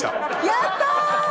やったー！